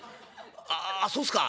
あそうっすか。